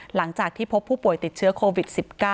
หลังจากที่พบผู้ป่วยติดเชื้อโควิด๑๙